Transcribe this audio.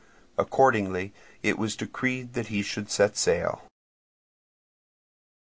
Accordingly it was decreed that he should sail.